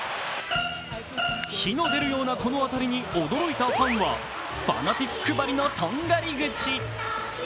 火の出るようなこの当たりに驚いたファンはファナティックばりのとんがり口。